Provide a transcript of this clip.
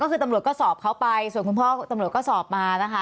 ก็คือตำรวจก็สอบเขาไปส่วนคุณพ่อตำรวจก็สอบมานะคะ